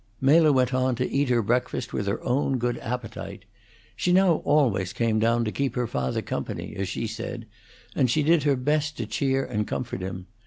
Mela went on to eat her breakfast with her own good appetite. She now always came down to keep her father company, as she said, and she did her best to cheer and comfort him.